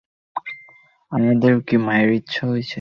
আপনাদের কি মরার ইচ্ছা হয়েছে?